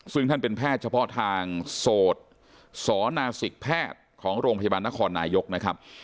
ซึ่งท่านเป็นแพทย์เฉพาะทางโสดสนศิกแพทย์ของโรงพยาบาลนครนายกนะครับ